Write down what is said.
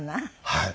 はい。